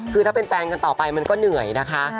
คือถ้าเป็นแฟนกันต่อไปมันก็เหนื่อยนะคะ